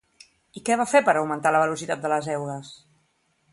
I què va fer per augmentar la velocitat de les eugues?